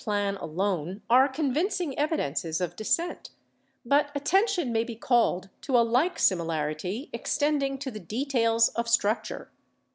plan alone are convincing evidences of descent, but atten tion may be called to a like similarity extending to the details of structure.